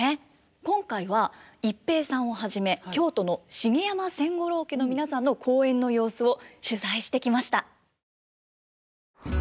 今回は逸平さんをはじめ京都の茂山千五郎家の皆さんの公演の様子を取材してきました。